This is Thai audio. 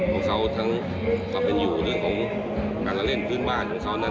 ของเขาทั้งความเป็นอยู่เรื่องของการเล่นพื้นบ้านของเขานั่น